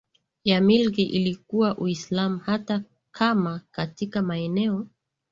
ya milki ilikuwa Uislamu hata kama katika maeneo